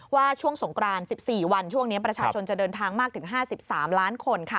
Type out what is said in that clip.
ช่วงสงกราน๑๔วันช่วงนี้ประชาชนจะเดินทางมากถึง๕๓ล้านคน